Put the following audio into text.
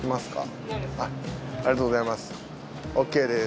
ありがとうございます。